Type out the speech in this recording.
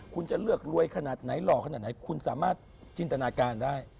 คุณจะเลือกรวยขนาดไหนหล่อขนาดไหนคุณสามารถจินตนาการได้